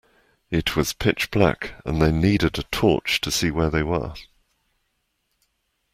It was pitch black, and they needed a torch to see where they were